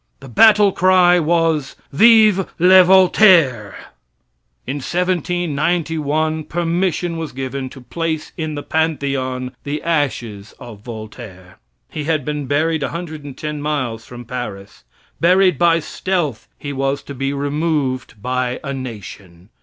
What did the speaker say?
The battlecry was, "Vive le Voltaire!" In 1791 permission was given to place in the Pantheon the ashes of Voltaire. He had been buried 110 miles from Paris. Buried by stealth he was to be removed by a nation.